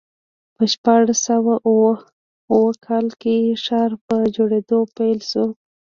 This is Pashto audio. په شپاړس سوه اووه کال کې ښار په جوړېدو پیل شو.